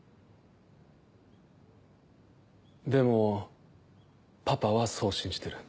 でもパパはそう信じてる。